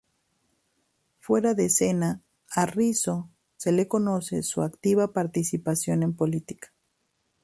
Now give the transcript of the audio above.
Fuera de escena, a Rizzo se le conoce su activa participación en política.